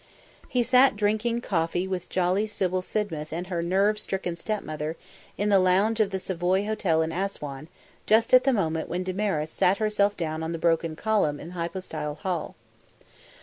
He sat drinking coffee with jolly Sybil Sidmouth and her nerve stricken stepmother in the lounge of the Savoy Hotel in Assouan just at the moment when Damaris sat herself down on the broken column in the Hypostyle Hall.